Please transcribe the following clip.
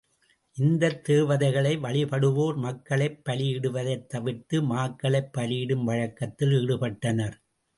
இந்தத் தேவதைகளை வழிபடுவோர் மக்களைப் பலியிடுவதைத் தவிர்த்து மாக்களைப் பலியிடும் வழக்கத்தில் ஈடுபட்டனர்.